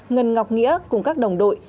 ngân ngọc nghĩa cùng các đồng đội